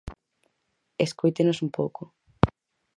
Escóitenos un pouco.